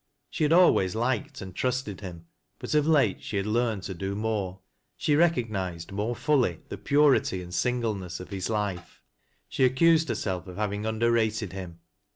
She had always liked and trusted him, but of late she had learned to do more. She recognized more fully the purity and singleness ol h'slife. She accused herself of having underrated him.